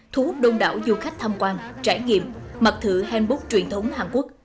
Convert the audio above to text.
thu hút đông đảo du khách tham quan trải nghiệm mặc thử hanbook truyền thống hàn quốc